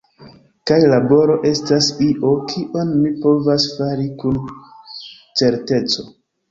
Kaj laboro estas io, kion mi povas fari kun certeco.